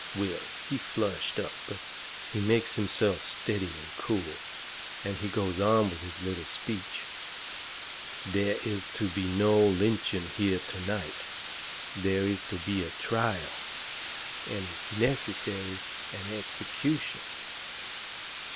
Will, he flushed up, but he makes himself steady and cool, and he goes on with his little speech: "There is to be no lynching here to night. There is to be a trial, and, if necessary, an execution."